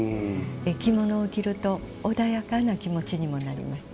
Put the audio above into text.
着物を着ると穏やかな気持ちにもなります。